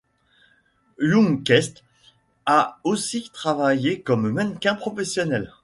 Youngquest a aussi travaillé comme mannequin professionnel.